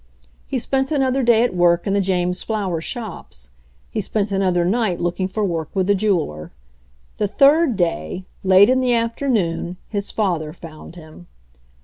He spent another day at work in the James Flower shops. He spent another night looking for work with a jeweler. The third day, late in the afternoon, his father found him.